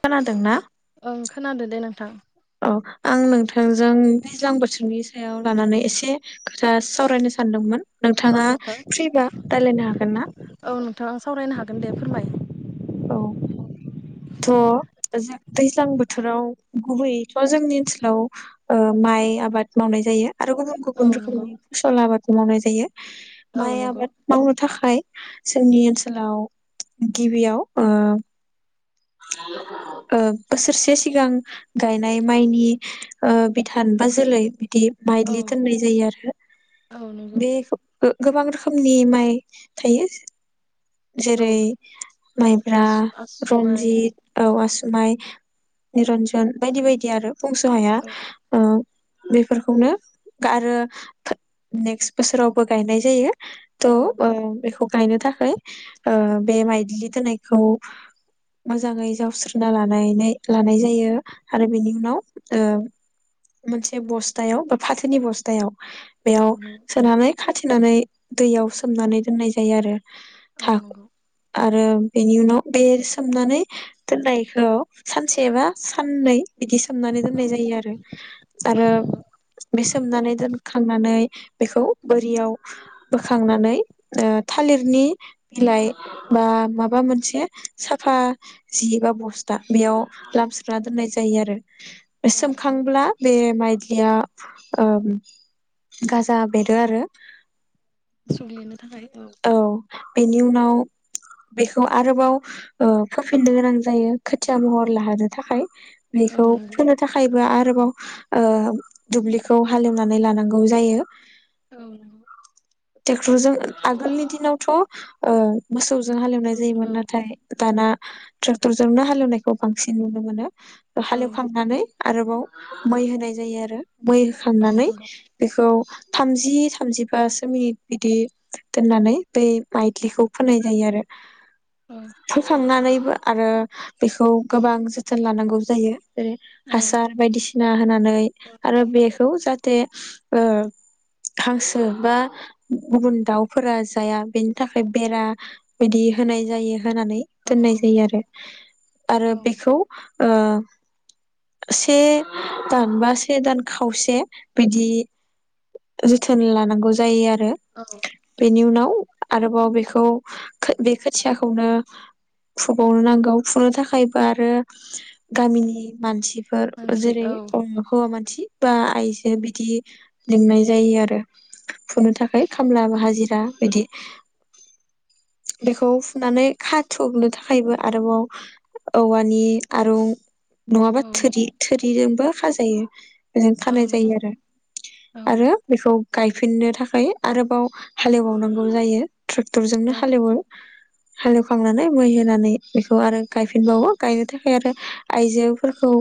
खोनादोंना? ओं खोनादो दे नोंथां। औ आं नोंथांजों दैज्लां बोथोरनि सायाव लानानै एसे खोथा सावरायनो सानदोंमोन। औ नोंथाङा नोंथां फ्रिबा रायज्लायनो हागोन ना? आ सावरायनो हागोन दे फोरमाय। औ थ' दैज्लां बोथोराव गुबैयैथ' जोंनि ओनसोलाव ओ माइ आबाद मावनाय जायो। आरो गुबुन गुबुन औ नंगौ रोखोमनि फसल आबाद मावनाय जायो। औ माइ नंगौ आबाद मावनो थाखाय। जोंनि ओनसोलाव गिबियाव ओ। ओ बोसोरसे सिगां गायनाय माइनि ओ बिथान बा जोलै। बिदि औ माइलि दोननाय जायो आरो औ नंगौ बे गोबां रोखोमनि माइ थायो। औ जेरै माइब्रा। आसु आसु माइ रनजित औ आसु माय, निरन्जन बायदि बायदि आरो। बुंस' हाया औ ओ। बेफोरखौनो आरो नेक्स्ट बोसोरावबो गायनाय जायो। थ' औ ओ नंगौ बेखौ गायनो थाखाय ओ बे मायलि दोननायखौ मोजाङै जावस्रोना लानानै लानाय जायो। आरो बेनि उनाव ओ मोनसे बस्थायाव बा फाथोनि बस्थायाव औ बेयाव नंगौ सोनानै खाथेनानै दैयाव सोमनानै दोननाय जायो आरो। ओ हा नोंगौ आरो बेनि उनाव बे सोमनानै दोननायखौ सानसेबा साननै बिदि सोमनानै औ दोननाय जायो आरो। आरो नंगौ बे सोमनानै दोनखांनानै बेखौ बोरियाव बोखांनानै ओ थालिरनि बिलाइ बा माबा मोनसे साफा जि बा बस्था बेयाव लामस्रोना दोननाय जायो आरो। औ नंगौ सोमखांब्ला बे माइ लिया ओम गाजा बेरो आरो। सुग्लिनो थाखाय औ बेनि उनाव बेखौ आरोबाव ओ फोफिननो गोनां जायो खोथिया महर लाहोनो थाखाय। औ बेखौ नंगौ फोनो थाखायबो आ रोबाव ओ दुब्लिखौ हालेवनानै लानांगौ जायो। औ नोंगौ ट्रेक्टरजों आगोलनि दिनावथ' ओं मोसौजों हालेवनाय मोसौजों जायोमोन औ नाथाय दाना ट्रेक्टर जोंनो हालेवनायखौ बांसिन नुनो मोनो। औ हालेवखांनानै आरोबाव मै होनाय जायो आरो। मै औ होखांनानै नंगौ बेखौ थामजि थामजिबासो मिनिट बिदि दोननानै बै माइथ्लिखौ फोनाय जायो आरो। औ फोखांनानै आरो बेखौ गोबां जोथोन लानांगौ जायो। जेरै हासार बायदिसि ना होना नै आरो बेखौ जा थे ओ हांसो बा गुबुन दाउ फोरा जाया बेनि थाखाय बेरा बिदि होनाय जायो। होनानै औ दोननाय नंगौ जायो आरो आरो औ बेखौ ओ से दान बा से दान खावसे बिदि जोथोन लानांगौ जायो आ औ बेनि उनाव आरोबाव बेखौ बे खोथियाखौनो फुबावनांगौ फुनो थाखायबो आरो गामिनि मानसि फोर मानसि जेरै औ हौवा मान थि बा आइजो बिदि लिंनाय जायो आरो। फुनो थाखाय खामला बा हा जिरा बिदि बेखौ फुनानै खाथुबनो थाखायबो आरोबाव औवानि आरुं नङाबा नंगौ थोरि थोरिजों खाजायो बेजों औ खानाय नंगौ जायो आरो औ आरो नंगौ बेखौ गायफिननो थाखाय आरोबाव हालेवबावनांगौ जायो। ट्रेक्टरजोंनो औ हालेवो। हालेवखांनानै मै होनानै बेखौ आरो गायफिनबावो गायनो थाखाय आरो आइजोफोरखौ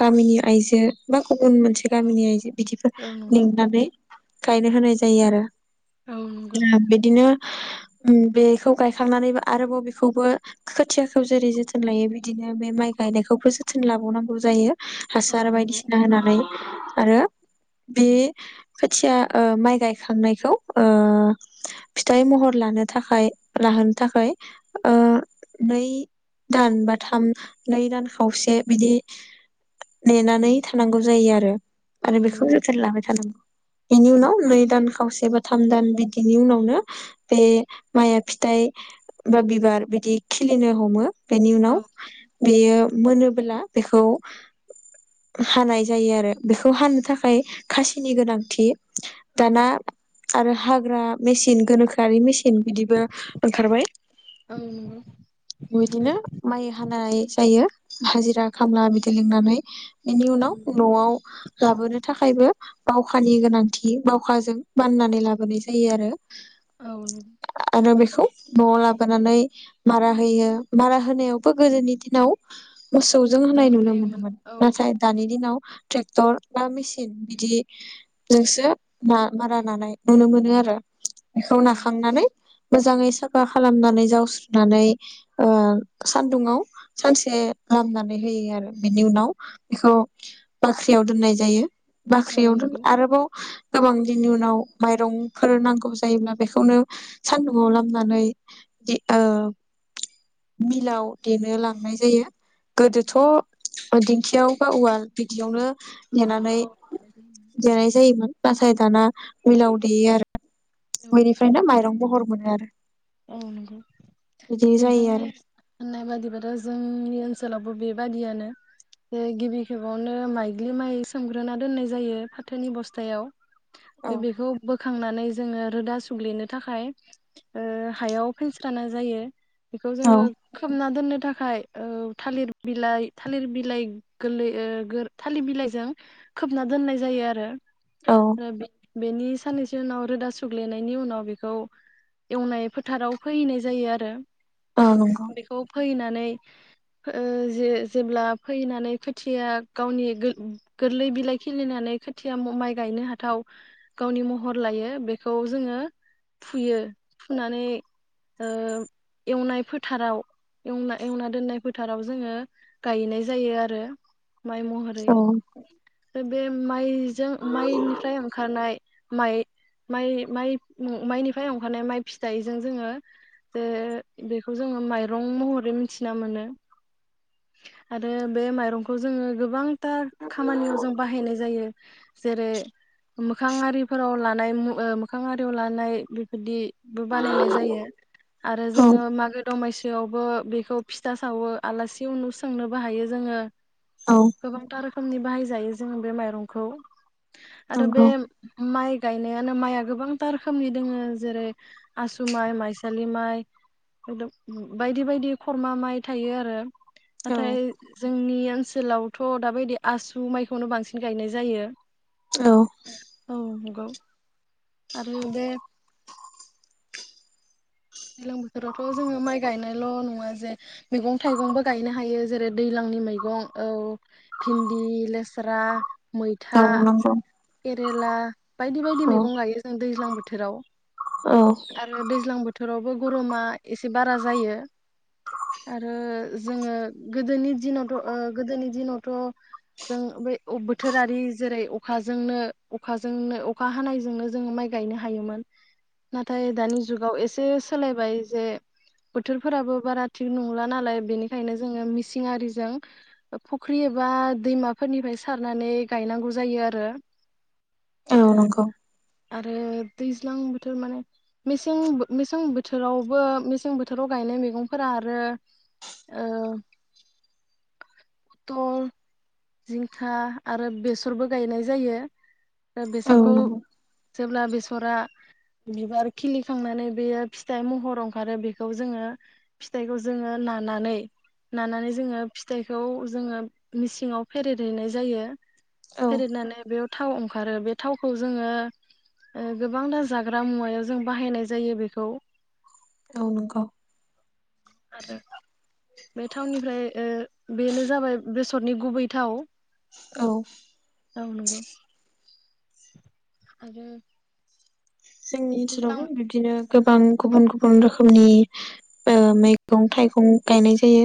गामिनि आइजो बा गुबुन मोनसे औ गामिनि जे बिदिफोर औ नंगौ लिंनानै गायनो होनाय जायो आरो। औ नंगौ बिदिनो बेखौ गायखांनानैबो आरोबाव बेखौबो खोथियाखौ जेरै जोथोन लायो बिदिनो बे माइ गायनायखौबो जोथोन लाबावनांगौ जायो। औ हासार नंगौ बायदिसिना होनानै आरो बे खोथिया ओ माइ गायखांनायखौ ओ फिथाइ महर लानो थाखाय लाहोनो थाखाय ओ नै दान बा थाम नै दान खावसे बिदि नेनानै थानांगौ जायो आरो। औ आरो बेखौ नंगौ जोथोन लाबाय थानांगौ बेनि उनाव नै दान खावसे बा थाम दान बिदिनि उनावनो बे माइआ फिथाइ बा बिबार बिदि खिलिनो हमो बेनि औ उनाव बेयो मोनोबोला बेखौ हानाय जायो आरो बेखौ हानो थाखाय खासिनि गोनांथि औ दाना आरो हाग्रा मेसिन गोनोखोआरि मेसिन मेसिन बिदिबो ओंखारबाय औ नंगौ बिदिनो माइ हानाय जायो हाजिरा खामला बिदि लिंनानै बेनि औ उनाव न'आव लाबोनो थाखायबो बावखानि गोनांथि बावखाजों बाननानै लाबोनाय जायो आरो औ आरो बेखौ न'आव लाबोनानै मारा होयो मारा होनायावबो गोदोनि दिनाव मोसौजों होनाय नुनो हायोमोन मोनोमोन औ नाथाय दानि दिनाव ट्रेक्टर बा मेसिन बिदिजोंसो ना मारा नानाय नुनो मोनो आरो बिखौ औ नंगौ नाखांनानै मोजाङै साफा खालामनानै जावस्रुनानै ओ सानदुंङआव सानसे लामनानै होयो आरो बेनि उनाव बेखौ बाख्रिआव दोननाय जायो। औ बाख्रियाव दोन नंगौ आरोबाव गोबां बिनि उनाव माइरंफोर नांगौ जायोब्ला बेखौनो सान्दुंआव लामनानै दि ओ मिलाव देनो लांनाय जायो गोदोथ' दिंखियाव बा उवाल बिदियावनो देनानै उवालाव औ देनाय देनाय जायोमोन नाथाय उलाव देयो आरो जायोमोन बेनिफ्रायनो माइरं महर मोनो आरो [inaudible] औ नंगौ बिदि जायो नोंथांनि आरो होननाय बादिब्लाथ' जोंनि ओनसोलाव बेबादियानो जे गिबि खेबावनो माइग्लि माइ सोमग्रोना दोननाय जायो फाथोनि बस्थायाव बे बेखौ बो खांनानै जोङो रोदा सुग्लिनो थाखाय ओ हायाव फेनस्राना जायो बेखौ औ जोङो खोबना दोननो थाखाय ओ थालिर बिलाइ थालिर बिलाइ गोरलै ओ गोर थालिर बिलाइजों खोबना दोननाय जायो आरो औ ओ बि बेनि सान्नैसो उनाव रोदा सुग्लेनायनि उनाव बेखौ एवनाय फोथाराव फोहैनाय जायो आरो औ नंगौ बेखौ फैनानै नै ओ जे-जेब्ला फैनानै खोथिया गावनि गोरलै बिलाइ खिलिनानै खोथिया माइ गायनो हाथाव गावनि महर लायो बेखौ जोङो फुयो फुनानै ओ एवनाय फोथारावना एवना दोननाय फोथाराव जोङो गायनाय जायो आरो माइ महरै औ बे माइ जों माइनिफ्राय ओंखारनाय माइ माइ माइ माइनिफ्राय अं खानाय माइ फिथाइजों जोङो जे बेखौ जोङो माइरं महरै मिथिना मोनो आरो बे माइरंखौ जोङो गोबां थार खामानियाव जों बाहायनाय जायो। जेरै मोखां आरिफोराव लानाय मोखां आरियाव लानाय बिदि बो बानायनाय जायो आरो औ जोङो मागो दमासि फियावबो बेखौ फिथा सावो आलासि उनु सोंनोबो हायो जोङो औ गोबथा रोखोमनि बाहायो जायो जो बे माइरंखौ आरो बे नंगौ माइ गायनायानो माइआ गोबांथा रोखोमनि दोङो जेरै आसु माइ माइसालि माइम बायदि बायदि खरमा माइ थायो आरो औ नाथाय जोंनि बे ओनसोलावथ' दााबायदि आसु माइखौनो बांसिन गायनाय जायो औ औ नंगौ आरो बे दैलां बोथोरावथ' जोङो माइ गायनायल' नङा जे मैगं थाइगंबो गायनो हायो जेरै दैज्लांनि मैगं औ भिन्दि लेस्रा मैथा औ नंगौ खेला बायदि बायदि औ मैगं गायो जों दैज्लां बोथोराव औ आरो दैज्लां बो बावबो गरमा एसे बारा जायो आरो जोङो गोदोनि दिनावथ गोदोनि दिनावथ' जों ब बोथोरारि जेरै अखाजोंनो अखाजोंनो अखा हानायजोंनो जोंङो माइ गायनो हायोमोन नाथाय दानि जुगाव ए से सोलायबाय जे बोथोरफोराबो बारा थिग नंला नालाय बेनिखायनो जोङो मिसिंआरिजों फुख्रि एबा दैमाफोरनिफ्राय सारनानै गायनांगौ जायो आरो औ नंगौ आरो दैज्लां बोथोर माने मेसें मेसें बोथोरावबो मेसें बोथोराव गायनाय मैगंफोरा आरो उथल जिंखा आरो बेसरबो गायनाय जायो औ बेसरखौ नंगौ जेब्ला बेस फोरा बिबार खिलिखांनानै बेयो फिथाइ महर ओंखारो बेखौ जोङो फिथाइखौ जोङो नानानै नानानै जोङो फिथखौ जोङो मिसिङाव फेरेदहैनाय जायो औ फेरेदनानै बेयाव थाव ओंखारो बे थावखौ जोङो ओ गोबां थार जाग्रा मुवायाव जों बाहायनाय जायो बेखौ औ नंगौ आरो बे थावनिफ्राय ओ बेनो जाबाय बेसरनि गुबै थाव औ औ नोंगौ आरो जोंनि ओनसोलावबो दैज्लां बिबदिनो गोबां गुबुन गुबुन रोखोमनि ओ मैगं थाइगं गायनाय जायो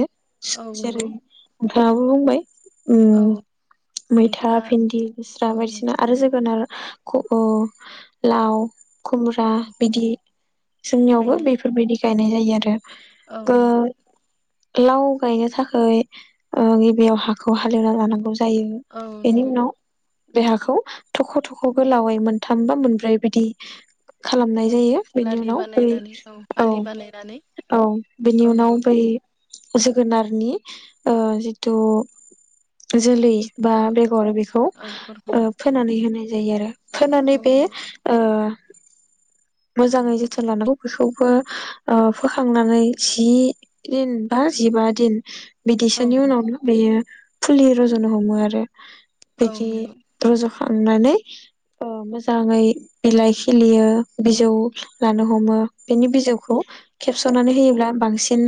औ जेरै नंगौ नोंथाङाबो बुंबाय औ उम मैथा, भिन्दि, गोस्रा औ बायदिसिना नंगौ आरो जोगोनार। खु ओ लाव खुमब्रा औ बिदि जोंनियावबो गायनाय बेफोरबायदि गायनाय जायो आरो औ नंगौ। ओ लाव गायनो थाखै ओ गिबियाव हाखौ हालेवना लानांगौ जा दायो औ एनि नंगौ उनाव देहाखौ थख' थख' गोलावै मोनथाम बा मोनब्रै बिदि [unintelligible] खालामनाय औ जायो बेनि लारि उनाव बे बानायनानै औ आलि बानायनानै औ बेनि औ नंगौ उनाव बै ओ जोगोनारनि ओ जिथु जोलै बा औ बेगर बेखौ औ बेगरखौ ओ फोनानै होनाय जायो आरो फोनानै औ बे नंगौ ओ मोजाङै जोथोन लानांगौ बेखौबो ओ फोखांनानै जि दिन बा जिबा दिन औ बिदिसोनि नंगौ उनावनो बेयो फुलि रज'नो हमो आरो औ बिदि नंगौ रज' खा खांनानै अ मोजाङै बिलाइ खि खिलियो बिजौ लानो हमो बेनि बिजौखौ खेबस'नानै होयोब्ला बांसिन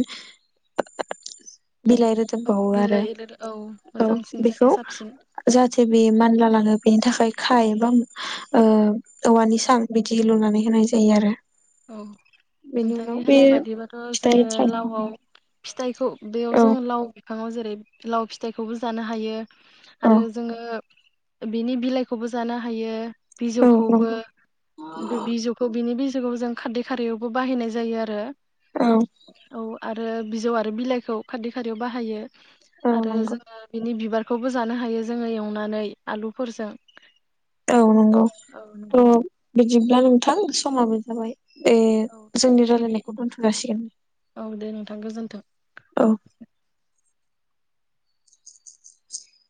बिलाइ औ रोदोमबावो आरो बिलाइ औ औ मोजांसिन जायो बेखौ साबसिन जाहाथे बे मानला लाङो। बेनि थाखाय खायोब्ला ओ औवानि सां बिदि लुनानै होनाय जायो आरो औ बेनि नोंथांनि उनाव बे होननाय बादिबाथ' फिथाइ जोङो थाइनो लावआव हमो फि थाइखौ बेयाव औ जोङो लाव बिफांआव जेरै लाव फिथाइखौबो जानो हायो। औ आरो जोङो ओ बिनि बिलाइखौबो जानो हायो। औ बिजौखौबो नंगौ बे बिजौखौ बिनि बिज जौखौ जों खाददै खारैयावबो बाहायनाय जायो आरो औ औ आरो बिजौ आरो बिलाइखौ खाददै खारैयाव बाहायो। औ आरो नंगौ जोङो बिनि बिबार खौबो जानो हायो जोङो एवनानै आलुफोरजों औ नंगौ औ नंगौ। त' बि दिब्ला नोंथां समाबो जाबाय। बे जोंनि रायलायनायखौ दोनथ'जासिगोन। थों। औ